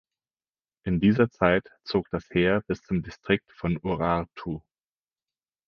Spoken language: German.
In dieser Zeit zog das Heer bis zum Distrikt von Urartu.